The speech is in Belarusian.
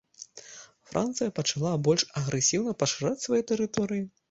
Францыя пачала больш агрэсіўна пашыраць свае тэрыторыі.